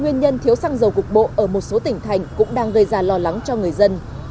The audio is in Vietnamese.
nguyên nhân thiếu xăng dầu cục bộ ở một số tỉnh thành cũng đang gây ra lo lắng cho người dân